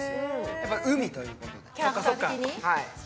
やっぱり海ということで。